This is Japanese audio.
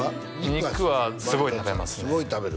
ものすごい食べますね